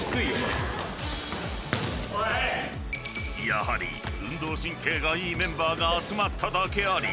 ［やはり運動神経がいいメンバーが集まっただけあり］